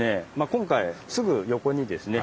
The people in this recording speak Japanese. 今回すぐ横にですね